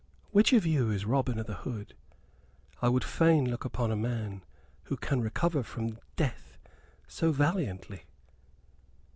Which of you is Robin o' th' Hood? I fain would look upon a man who can recover from death so valiantly."